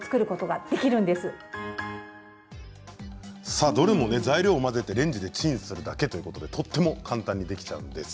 さあどれもね材料を混ぜてレンジでチンするだけということでとっても簡単にできちゃうんです。